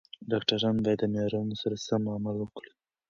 ډاکټران باید د معیارونو سره سم عمل وکړي.